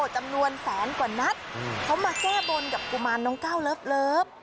จำนวนแสนกว่านัดเขามาแก้บนกับกุมารน้องก้าวเลิฟ